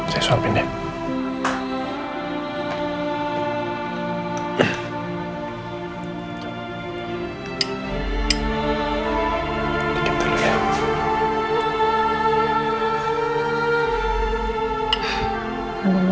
saya suapin deb